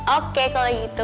oke kalau gitu